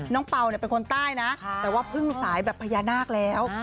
เป่าเป็นคนใต้นะแต่ว่าพึ่งสายแบบพญานาคแล้ว